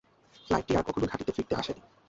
ফ্লাইটটি আর কখনো ঘাঁটিতে ফিরে আসেনি।